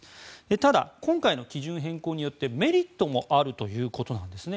ただ、今回の基準変更によってメリットもあるということなんですね。